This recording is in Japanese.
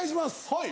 はい。